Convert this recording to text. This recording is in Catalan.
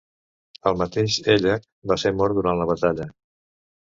El mateix Ellac va ser mort durant la batalla.